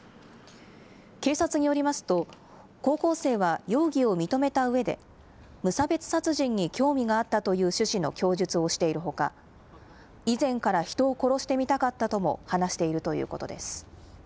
警察によりますと、高校生は容疑を認めたうえで、無差別殺人に興味があったという趣旨の供述をしているほか、以前から人を殺してみたかったとも話しているということです。